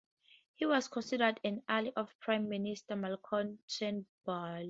He was considered an ally of Prime Minister Malcolm Turnbull.